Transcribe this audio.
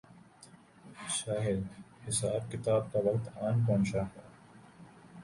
شاید حساب کتاب کا وقت آن پہنچا ہے۔